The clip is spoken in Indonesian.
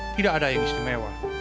tidak ada yang istimewa